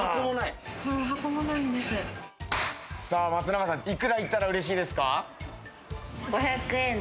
松永さん、いくらいったら、うれしいですか？